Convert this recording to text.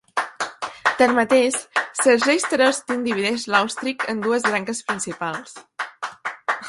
Tanmateix, Sergei Starostin divideix l'àustric en dues branques principals.